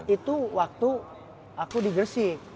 itu waktu aku di gresik